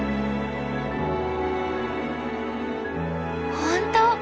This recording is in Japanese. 本当！